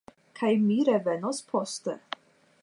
Kaj mi revenos poste.